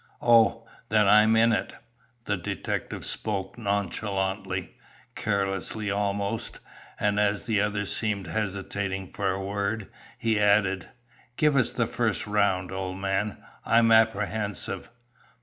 "Oh! Then I am in it?" the detective spoke nonchalantly, carelessly almost, and as the other seemed hesitating for a word, he added: "Give us the first round, old man. I'm apprehensive."